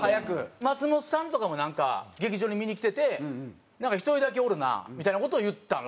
松本さんとかもなんか劇場に見に来てて「１人だけおるな」みたいな事を言ったらしいんですよ。